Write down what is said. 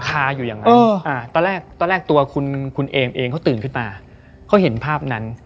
คาอยู่อย่างไรตอนแรกตัวคุณเค้าตื่นขึ้นมาเค้าเห็นภาพนั้น